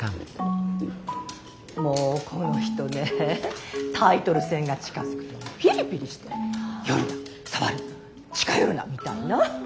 もうこの人ねタイトル戦が近づくとピリピリして「寄るな触るな近寄るな」みたいな。